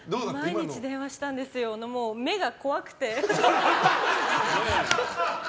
毎日電話したんですよの目が、もう怖くて。